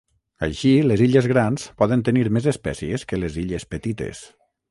Així les illes grans poden tenir més espècies que les illes petites.